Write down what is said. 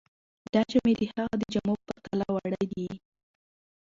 دا جامې د هغه د جامو په پرتله واړه دي.